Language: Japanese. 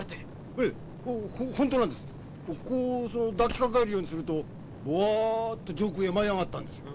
こう抱きかかえるようにするとボワッと上空へ舞い上がったんですよ。